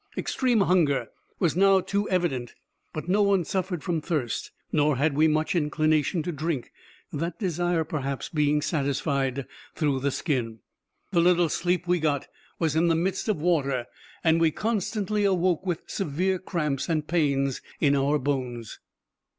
Extreme hunger was now too evident; but no one suffered from thirst, nor had we much inclination to drink—that desire, perhaps, being satisfied through the skin. The little sleep we got was in the midst of water, and we constantly awoke with severe cramps and pains in our bones.